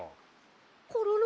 コロロ？